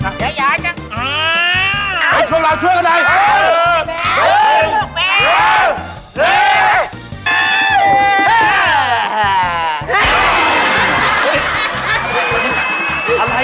มีช่วงลาช่วยกันไง